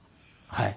はい。